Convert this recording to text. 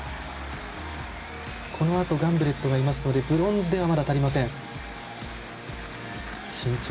このあとガンブレットがいますのでブロンズでは、まだ足りません。